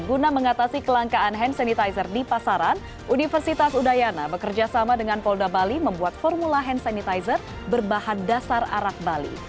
guna mengatasi kelangkaan hand sanitizer di pasaran universitas udayana bekerja sama dengan polda bali membuat formula hand sanitizer berbahan dasar arak bali